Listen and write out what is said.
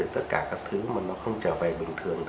tất cả các thứ mà nó không trở về bình thường